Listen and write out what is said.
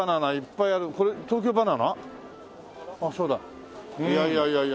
いやいやいやいや。